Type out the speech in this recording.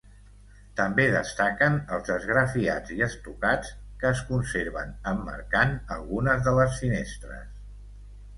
També destaquen els esgrafiats i estucats que es conserven, emmarcant algunes de les finestres.